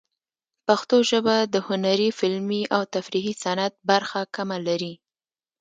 پښتو ژبه د هنري، فلمي، او تفریحي صنعت برخه کمه لري.